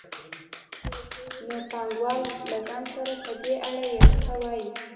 نو پانګوال له ځان سره په دې اړه یو څه وايي